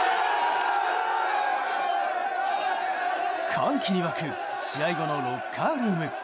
歓喜に沸く試合後のロッカールーム。